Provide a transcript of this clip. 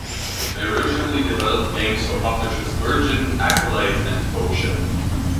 They originally developed games for publishers Virgin, Accolade and Ocean.